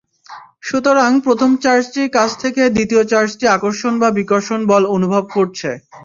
সুতরাং প্রথম চার্জটির কাছ থেকে দ্বিতীয় চার্জটি আকর্ষণ বা বিকর্ষণ বল অনুভব করছে।